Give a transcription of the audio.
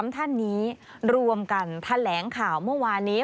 ๓ท่านนี้รวมกันแถลงข่าวเมื่อวานนี้